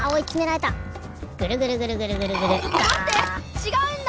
違うんだ！